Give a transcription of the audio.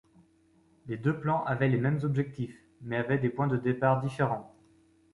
Les deux plans avaient les mêmes objectifs, mais avaient des points de départ différents.